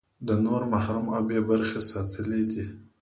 ده نور محروم او بې برخې ساتلي دي.